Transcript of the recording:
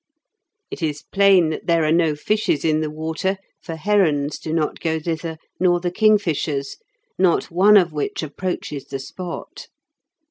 It is plain there are no fishes in the water, for herons do not go thither, nor the kingfishers, not one of which approaches the spot.